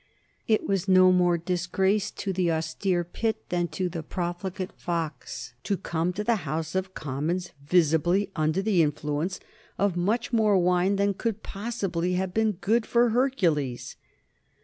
It was no more disgrace to the austere Pitt than to the profligate Fox to come to the House of Commons visibly under the influence of much more wine than could possibly have been good for Hercules.